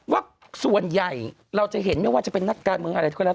ว่าส่วนใหญ่เราจะเห็นไม่ว่าจะเป็นนักการเมืองอะไรก็แล้ว